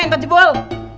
entar di bol